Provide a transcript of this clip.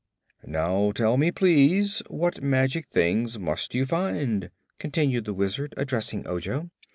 "Now tell me, please, what magic things must you find?" continued the Wizard, addressing Ojo.